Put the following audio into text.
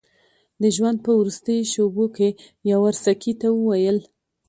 د ژوند په وروستیو شېبو کې یاورسکي ته وویل.